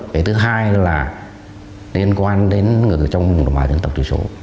cái thứ hai là liên quan đến người ở trong đồng bào dân tộc tùy số